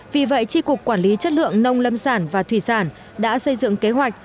vì vậy tri cục quản lý chất lượng nông lâm sản và thủy sản đã xây dựng kế hoạch